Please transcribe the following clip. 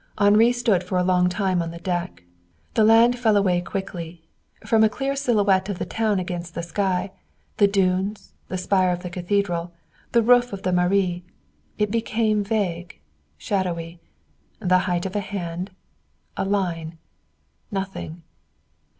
Henri stood for a long time on the deck. The land fell away quickly. From a clear silhouette of the town against the sky the dunes, the spire of the cathedral, the roof of the mairie it became vague, shadowy the height of a hand a line nothing.